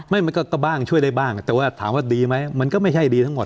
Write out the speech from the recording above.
มันก็บ้างช่วยได้บ้างแต่ว่าถามว่าดีไหมมันก็ไม่ใช่ดีทั้งหมด